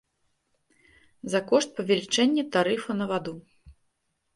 За кошт павелічэння тарыфу на ваду.